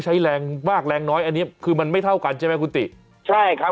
ใช้แรงมากแรงน้อยอันนี้คือมันไม่เท่ากันใช่ไหมคุณติใช่ครับ